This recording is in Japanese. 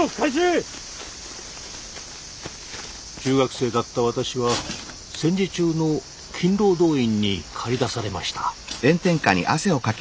中学生だった私は戦時中の勤労動員に駆り出されました。